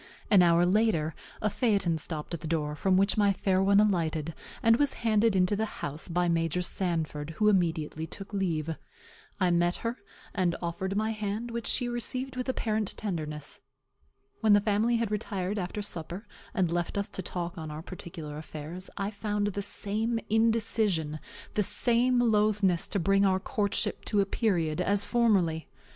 An hour after, a phaeton stopped at the door, from which my fair one alighted, and was handed into the house by Major Sanford, who immediately took leave. I met her, and offered my hand, which she received with apparent tenderness. When the family had retired after supper, and left us to talk on our particular affairs, I found the same indecision, the same loathness to bring our courtship to a period, as formerly.